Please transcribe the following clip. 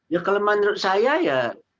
ya kalau menurut saya ya